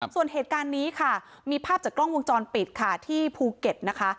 ส่วนเหตุการณ์นี้ค่ะมีภาพจากกล้องวงจรปิดค่ะที่ภูเก็ตนะคะ